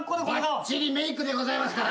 ばっちりメークでございますから。